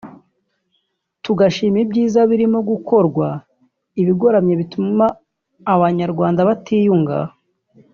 tugashima ibyiza birimo gukorwa ibigoramye bituma Abanyarwanda batiyunga